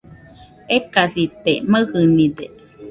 Ekasite, maɨjɨnide